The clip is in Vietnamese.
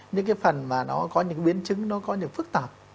những cái phần mà nó có những biến chứng nó có những phức tạp